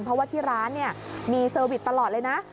เพราะว่าที่ร้านมีเซอร์วิสตลอดเลยนะ